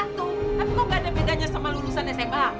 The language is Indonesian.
tapi kok gak ada bedanya sama lulusan sma